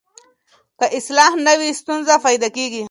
که اصلاح نه وي ستونزه پیدا کېږي.